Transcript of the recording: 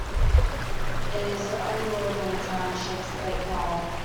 It is the only Logan Township statewide.